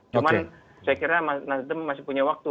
cuma saya kira mas nasdem masih punya waktu